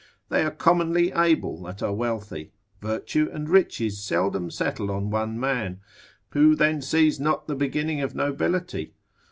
They are commonly able that are wealthy; virtue and riches seldom settle on one man: who then sees not the beginning of nobility?